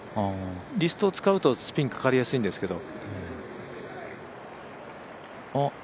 リストを使うとスピンかかりやすいんですけど。